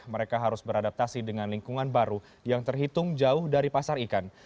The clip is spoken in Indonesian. mereka harus beradaptasi dengan lingkungan baru yang terhitung jauh dari pasar ikan